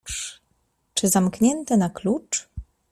Czy zamknięte na klucz?